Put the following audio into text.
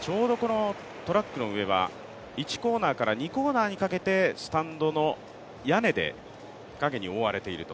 ちょうどこのトラックの上は１コーナーから２コーナーにかけてスタンドの屋根で影に覆われていると。